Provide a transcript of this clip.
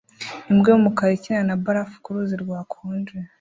Imbwa y'umukara ikina na barafu ku ruzi rwakonje